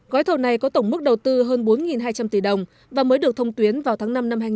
gói thầu này có tổng mức đầu tư hơn bốn hai trăm linh tỷ đồng và mới được thông tuyến vào tháng năm năm hai nghìn hai mươi